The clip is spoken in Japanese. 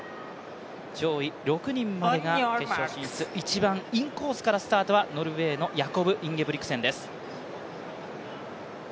上位６人までが決勝進出、一番インコースからスタートするのはノルウェーのヤコブ・インゲブリクセンです。